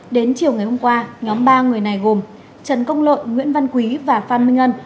đến chiều ngày hôm qua nhóm ba người này gồm trần công lội nguyễn văn quý và phan minh ngân